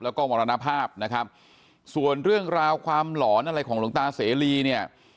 แล้วก็มรณภาพนะครับส่วนเรื่องราวความหลอนอะไรของหลวงตาเสรีเนี่ย